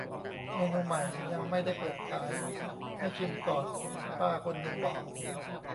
"เมนูใหม่ ยังไม่ได้เปิดขาย ให้ชิมก่อน" ป้าคนนึงบอก